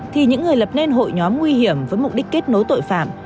thì những người lập nên hội nhóm nguy hiểm với mục đích kết nối tội phạm